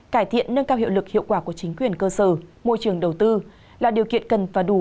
cải thiện nâng cao hiệu lực hiệu quả của chính quyền cơ sở môi trường đầu tư là điều kiện cần và đủ